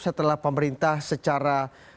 setelah pemerintah secara